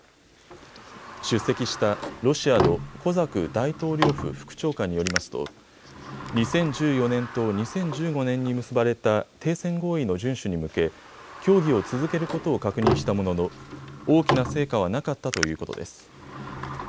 出席したロシアのコザク大統領府副長官によりますと２０１４年と２０１５年に結ばれた停戦合意の順守に向け協議を続けることを確認したものの大きな成果はなかったということです。